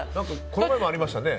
この前もありましたね。